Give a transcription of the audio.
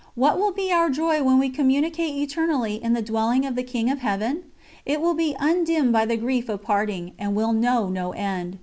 What will be our joy when we communicate eternally in the dwelling of the King of Heaven? It will be undimmed by the grief of parting, and will know no end.